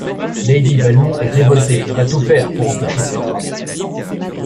Lady Belmont est révoltée et va tout faire pour empêcher ces travaux.